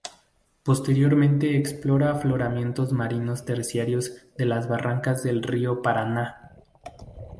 Posteriormente explora afloramientos marinos terciarios de las barrancas del río Paraná.